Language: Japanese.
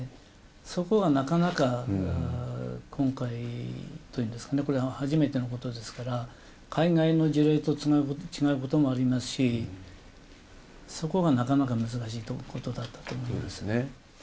そこがなかなか今回というんですかね、これは初めてのことですから、海外の事例と違うこともありますし、そこがなかなか難しいことだったと思います。